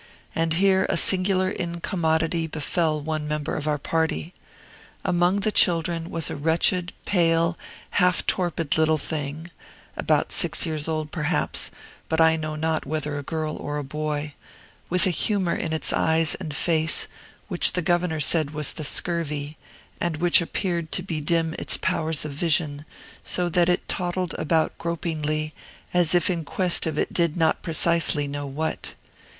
And here a singular incommodity befell one member of our party. Among the children was a wretched, pale, half torpid little thing (about six years old, perhaps, but I know not whether a girl or a boy), with a humor in its eyes and face, which the governor said was the scurvy, and which appeared to bedim its powers of vision, so that it toddled about gropingly, as if in quest of it did not precisely know what.